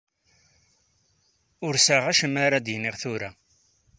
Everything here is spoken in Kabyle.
Ur sɛiɣ acemma ara d-iniɣ tura.